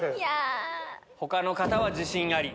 他の方は自信あり。